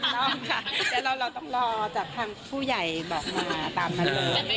ไม่ต้องค่ะแต่เราต้องรอจากทางผู้ใหญ่แบบมาตามมาเลย